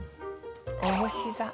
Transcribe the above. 「おうし座」。